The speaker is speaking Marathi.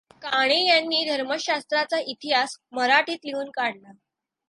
काणे यांनी धर्मशास्त्राचा इतिहास मराठीत लिहून काढला.